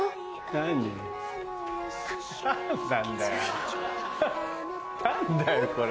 何だよこれ。